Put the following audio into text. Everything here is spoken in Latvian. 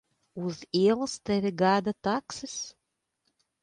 Uz ielas tevi gaida taksis.